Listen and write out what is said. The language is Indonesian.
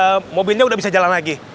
ustadz januyuy udah bisa jalan lagi